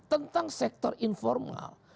tentang sektor informal